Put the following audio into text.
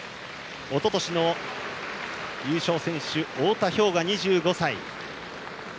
おととしの優勝選手、太田彪雅２５歳。